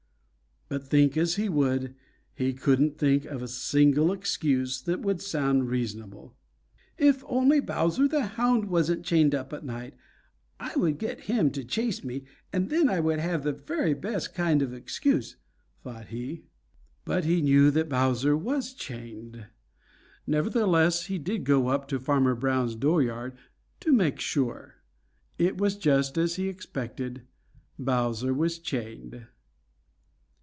But think as he would, he couldn't think of a single excuse that would sound reasonable. "If only Bowser the Hound wasn't chained up at night, I would get him to chase me, and then I would have the very best kind of an excuse," thought he. But he knew that Bowser was chained. Nevertheless he did go up to Farmer Brown's dooryard to make sure. It was just as he expected, Bowser was chained.